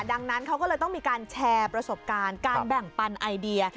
ดังนั้นเขาก็เลยต้องมีการแชร์ประสบการณ์การแบ่งปันไอเดีย